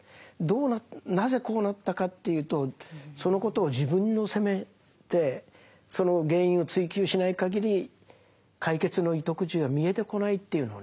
なぜこうなったかというとそのことを自分を責めてその原因を追及しないかぎり解決の糸口は見えてこないというのはね